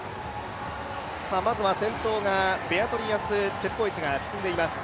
まずは先頭がベアトリス・チェプコエチが進んでいます。